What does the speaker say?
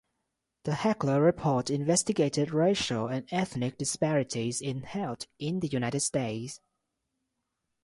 The Heckler Report investigated racial and ethnic disparities in health in the United States.